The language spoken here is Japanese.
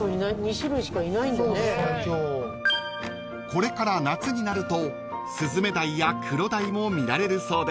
［これから夏になるとスズメダイやクロダイも見られるそうです］